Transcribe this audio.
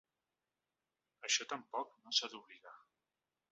Això tampoc no s’ha d’oblidar.